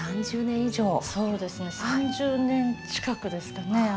そうですね３０年近くですかね。